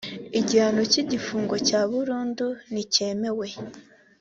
igihano cy igifungo cya burundu ntikemewe.